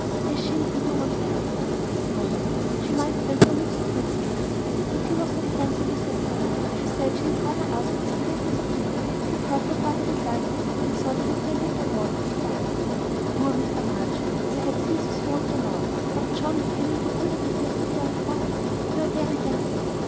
"Has she indeed no one to help her?" "No one. She might send for Mr. Brithwood, but he was not friendly with her father; she said she had rather ask this 'kindness' of me, because her father had liked me, and thought I resembled their Walter, who died." "Poor Mr. March! perhaps he is with Walter, now. But, John, can you do all that is necessary for her? You are very young."